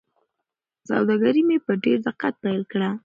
سوداګري مې په ډېر دقت پیل کړه.